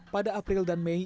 pada april dan mei